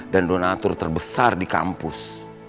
dan donatur terbesar di kampus